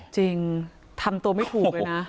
จริงทำตัวไม่ถูกเลยนะ